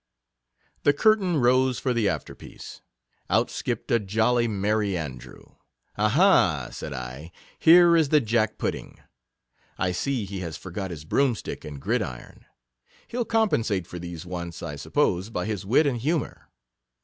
The curtain rose for the afterpiece. Out skipped a jolly Merry Andrew. Aha ! said I, here is the Jack pudding. I see he has forgot his broomstick and gridiron ; he'll compensate for these wants, I suppose, by his wit and humour.